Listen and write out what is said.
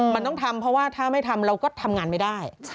มันต้องทำเพราะว่าถ้าไม่ทำเราก็ทำงานไม่ได้